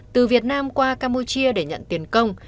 từ việt nam qua campuchia để nhận tiền công